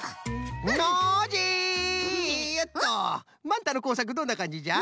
マンタのこうさくどんなかんじじゃ？